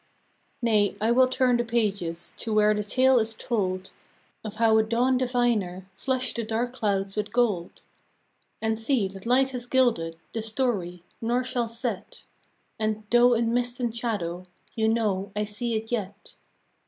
Nay, I will turn the pages To where the tale is told Of how a dawn diviner Flushed the dark clouds with gold. And see, that light has gilded The story — nor shall set; And, though in mist and shadow, You know I see it yet.